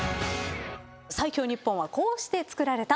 最強日本はこうして作られた。